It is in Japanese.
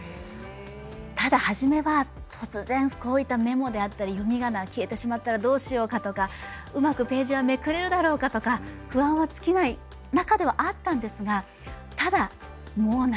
ただ初めは突然こういったメモであったり読みがなが消えてしまったらどうしようかとかうまくページはめくれるだろうかとか不安は尽きない中ではあったんですがただもう慣れました。